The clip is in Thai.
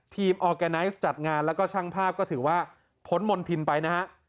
ทีมออร์แกนัสจัดงานและช่างภาพก็ถือว่าพ้นมนต์ทินไปนะครับ